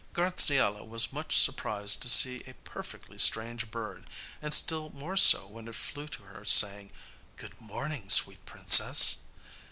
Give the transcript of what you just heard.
Graziella was much surprised to see a perfectly strange bird, and still more so when it flew to her saying, 'Good morning, sweet princess.